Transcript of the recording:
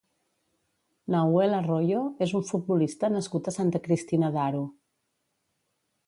Nahuel Arroyo és un futbolista nascut a Santa Cristina d'Aro.